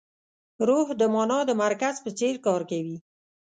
روح د مانا د مرکز په څېر کار کوي.